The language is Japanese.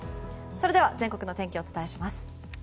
それでは全国の天気をお伝えします。